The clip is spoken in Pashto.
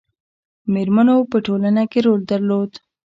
میرمنو په ټولنه کې رول درلود